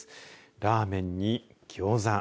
ラーメンにギョーザ